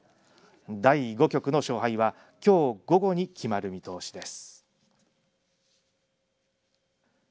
第５局の勝敗はきょう午後に決まる見通しです。